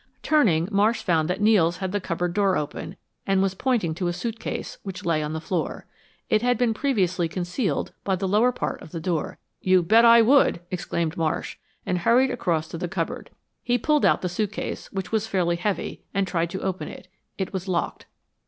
Turning, Marsh found that Nels had the cupboard door open, and was pointing to a suitcase, which lay on the floor. It had been previously concealed by the lower part of the door. "You bet I would!" exclaimed Marsh and hurried across to the cupboard. He pulled out the suitcase, which was fairly heavy, and tried to open it. It was locked.